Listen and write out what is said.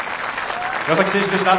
岩崎選手でした。